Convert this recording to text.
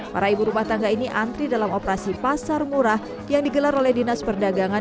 para ibu rumah tangga ini antri dalam operasi pasar murah yang digelar oleh dinas perdagangan